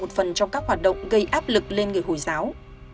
một phần trong các hoạt động gây áp lực lên người hồi giáo